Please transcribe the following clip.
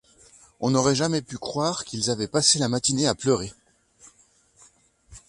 On n’aurait jamais pu croire qu’ils avaient passé la matinée à pleurer.